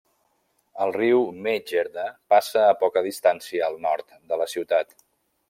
El riu Medjerda passa a poca distància al nord de la ciutat.